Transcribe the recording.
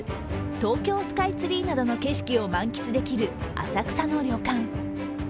東京スカイツリーなどの景色を満喫できる浅草の旅館。